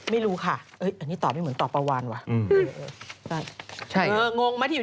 ไม่รู้ค่ะ